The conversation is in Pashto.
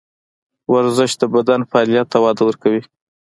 ورزش د بدن فعالیت ته وده ورکوي.